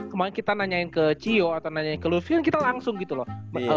kemarin kita nanyain ke cio atau nanyain ke lupion kita langsung gitu loh